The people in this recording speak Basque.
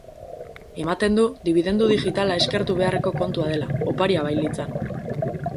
Ematen du dibidendu digitala eskertu beharreko kontua dela, oparia bailitzan.